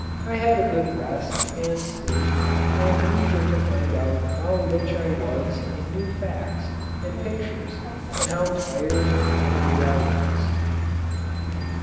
I had a good rest and sleep and leisure to find out how rich I was in new facts and pictures and how tired and hungry I was.